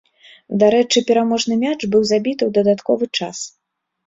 Дарэчы пераможны мяч быў забіты ў дадатковы час.